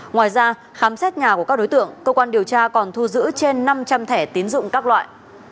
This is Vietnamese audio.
ngoài ra khám xét nhà của các đối tượng cơ quan điều tra còn thu giữ trên năm trăm linh thẻ tín dụng các loại